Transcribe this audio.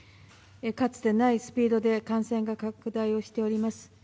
かつてないスピードで感染が拡大しております。